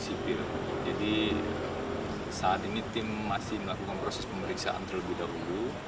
saat ini tim masih melakukan proses pemeriksaan terlebih dahulu